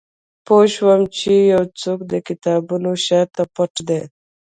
پوه شوم چې یو څوک د کتابونو شاته پټ دی